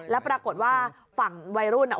แล้วปรากฏว่าฝั่งวัยรุ่น